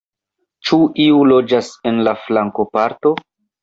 Ĉu iu loĝas en la flankoparto?